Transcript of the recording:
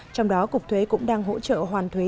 trong đó cục thuế cũng đang hỗ trợ hoàn thuế